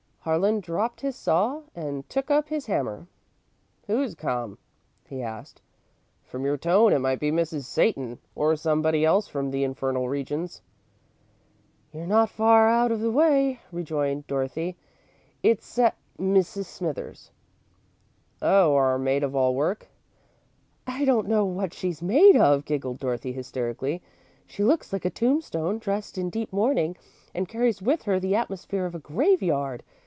Harlan dropped his saw and took up his hammer. "Who's come?" he asked. "From your tone, it might be Mrs. Satan, or somebody else from the infernal regions." "You're not far out of the way," rejoined Dorothy. "It's Sa Mrs. Smithers." "Oh, our maid of all work?" "I don't know what she's made of," giggled Dorothy, hysterically. "She looks like a tombstone dressed in deep mourning, and carries with her the atmosphere of a graveyard.